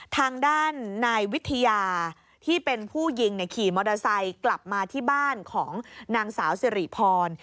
ทางด้านนายวิทยาที่เป็นผู้ยิงขี่มอเตอร์ไซค์กลับมาที่บ้านของนางสาวสิริพร